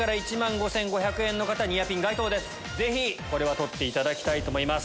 ぜひこれは取っていただきたいと思います。